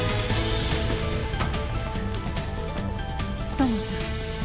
土門さん。